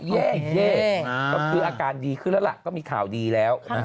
แย่ก็คืออาการดีขึ้นแล้วล่ะก็มีข่าวดีแล้ว